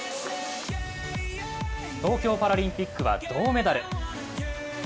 東京パラリンピックは銅メダル。